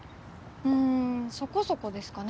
んんそこそこですかね。